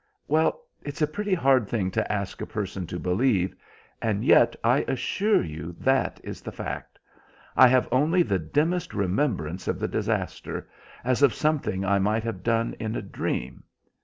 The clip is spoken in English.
"Well, it's a pretty hard thing to ask a person to believe, and yet I assure you that is the fact. I have only the dimmest remembrance of the disaster, as of something I might have done in a dream.